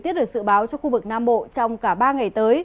tiết được dự báo cho khu vực nam bộ trong cả ba ngày tới